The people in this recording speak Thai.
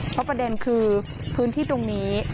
เพราะประเด็นคือพื้นที่ตรงนี้